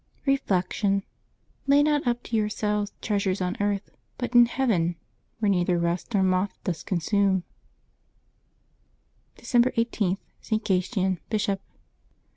Reflection. —" Lay not up to yourselves treasures on earth, but in heaven, where neither rust nor moth doth December i8.— ST. GATIAN, Bishop.